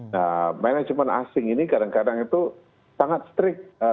nah manajemen asing ini kadang kadang itu sangat strict